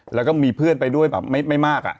แล้วก็มีเพื่อนไปด้วยแบบไม่มาก